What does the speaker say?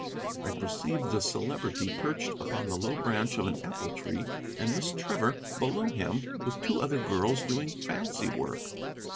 I perceived the Celebrity perched upon the low branch of an apple tree, and Miss Trevor below him, with two other girls, doing fancy work.